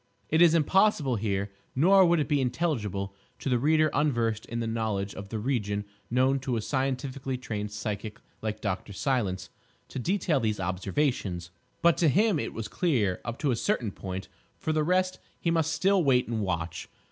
It is impossible here, nor would it be intelligible to the reader unversed in the knowledge of the region known to a scientifically trained psychic like Dr. Silence, to detail these observations. But to him it was clear, up to a certain point—for the rest he must still wait and watch.